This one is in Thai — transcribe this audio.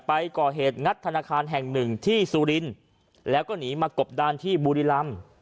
ไปก่อเหตุงัดธนาคารแห่งหนึ่งที่สุรินทร์แล้วก็หนีมากบดานที่บุรีรำ